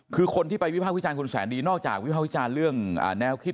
คือคนที่ไปวิภาควิจารณคุณแสนดีนอกจากวิภาควิจารณ์เรื่องแนวคิด